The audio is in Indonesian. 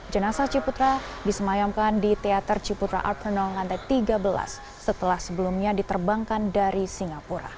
jenasa ciputra disemayamkan di teater ciputra arpun lantai tiga belas setelah sebelumnya diterbangkan dari singapura